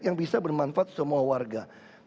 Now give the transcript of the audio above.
yang bisa bermanfaat semua warga